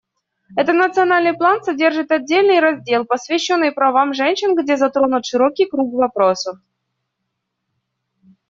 Этот национальный план содержит отдельный раздел, посвященный правам женщин, где затронут широкий круг вопросов.